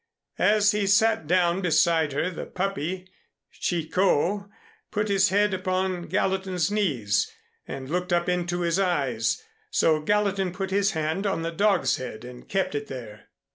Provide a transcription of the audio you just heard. As he sat down beside her the puppy, "Chicot," put his head upon Gallatin's knees and looked up into his eyes, so Gallatin put his hand on the dog's head and kept it there.